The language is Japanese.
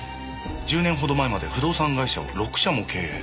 １０年ほど前まで不動産会社を６社も経営。